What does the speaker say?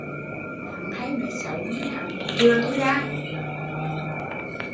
Hắn hay nói xấu nhưng hắn cũng chừa tui ra